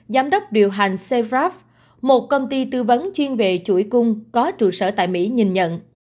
giám đốc điều hành croap một công ty tư vấn chuyên về chuỗi cung có trụ sở tại mỹ nhìn nhận